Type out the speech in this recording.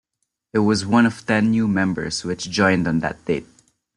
It was one of ten new members which joined on that date.